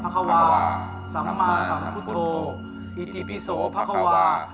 ดวงมึงถึงฆ่า